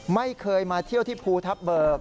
ไม่เคยมาเที่ยวที่ภูทับเบิก